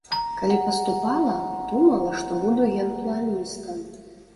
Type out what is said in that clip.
Калі паступала, думала, што буду генпланістам.